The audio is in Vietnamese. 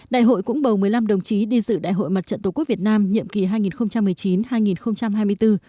đại hội cũng bầu một mươi năm đồng chí đi dự đại hội mặt trận tổ quốc việt nam nhiệm kỳ hai nghìn một mươi chín hai nghìn hai mươi bốn